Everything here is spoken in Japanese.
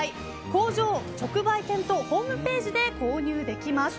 工場直売店とホームページで購入できます。